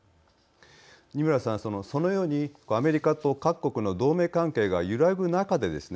二村さんそのようにアメリカと各国の同盟関係が揺らぐ中でですね